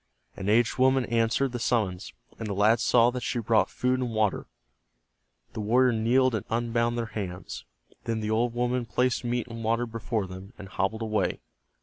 An aged woman answered the summons, and the lads saw that she brought food and water. The warrior kneeled and unbound their hands. Then the old woman placed meat and water before them, and hobbled away.